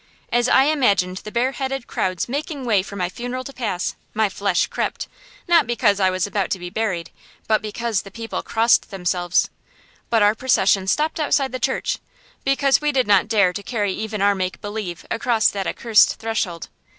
As I imagined the bareheaded crowds making way for my funeral to pass, my flesh crept, not because I was about to be buried, but because the people crossed themselves. But our procession stopped outside the church, because we did not dare to carry even our make believe across that accursed threshold.